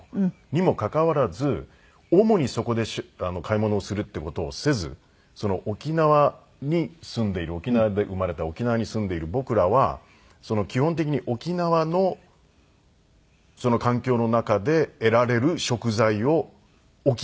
にもかかわらず主にそこで買い物をするっていう事をせず沖縄に住んでいる沖縄で生まれた沖縄に住んでいる僕らは基本的に沖縄の環境の中で得られる食材を沖縄で買うと。